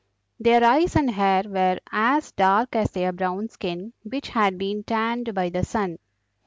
Their eyes and hair were as dark as their brown skin, which had been tanned by the sun.